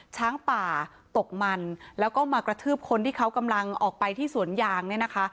ช้างป่าตกมันแล้วก็มากระทืบคนที่เขากำลังออกไปที่สวนยางเนี่ยนะคะ